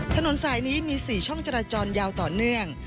ถนนสายนี้มี๔ช่องจราจรยาวต่อเนื่อง